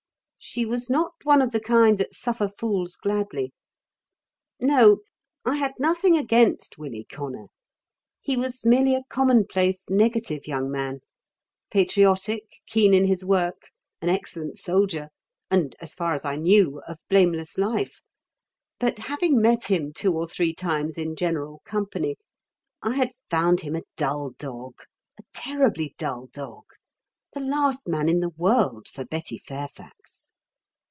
She was not one of the kind that suffer fools gladly.... No; I had nothing against Willie Connor. He was merely a common place, negative young man; patriotic, keen in his work, an excellent soldier, and, as far as I knew, of blameless life; but having met him two or three times in general company, I had found him a dull dog, a terribly dull dog, the last man in the world for Betty Fairfax.